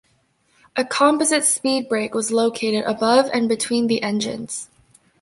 A composite speedbrake was located above and between the engines.